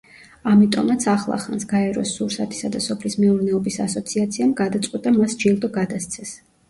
ამიტომაც ახლახანს, გაეროს სურსათისა და სოფლის მეურნეობის ასოციაციამ გადაწყვიტა მას ჯილდო გადასცეს.